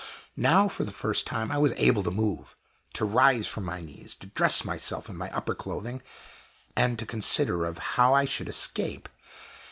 Now, for the first time, I was able to move to rise from my knees to dress myself in my upper clothing and to consider of how I should escape.